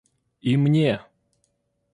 И мне!